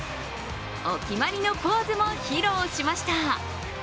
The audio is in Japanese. お決まりのポーズも披露しました。